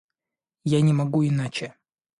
Я не могу иначе!